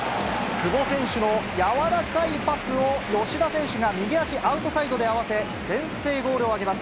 久保選手の柔らかいパスを、吉田選手が右足アウトサイドで合わせ、先制ゴールを挙げます。